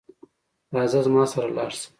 راځه زما سره لاړ شه